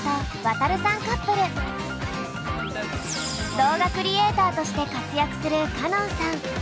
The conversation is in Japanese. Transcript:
動画クリエーターとして活躍する歌音さん。